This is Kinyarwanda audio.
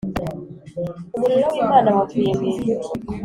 Umuriro w’Imana wavuye mu ijuru